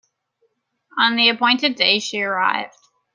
On the appointed day she arrived.